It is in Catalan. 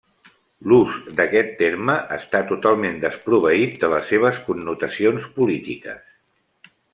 L'ús d'aquest terme està totalment desproveït de les seves connotacions polítiques.